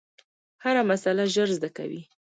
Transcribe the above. هره مسئله ژر زده کوي.